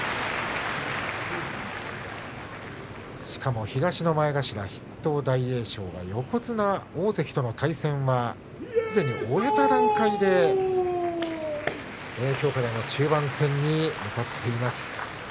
しかも東の前頭の筆頭の大栄翔横綱大関との対戦はすでに終えた段階できょうからの中盤戦に入っています。